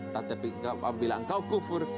tetapi apabila engkau kufur